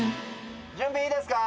準備いいですか？